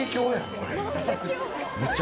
これ。